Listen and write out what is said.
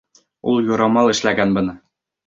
Ул юрамал эшләгән быны!